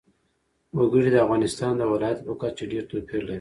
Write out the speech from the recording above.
وګړي د افغانستان د ولایاتو په کچه ډېر توپیر لري.